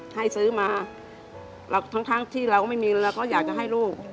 ให้ซื้อมาทั้งที่เราไม่มีเราก็อยากจะให้ลูก